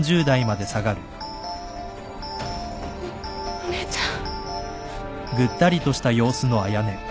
お姉ちゃん！